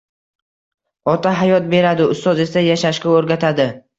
Ota hayot beradi. Ustoz esa yashashga o’rgatadi.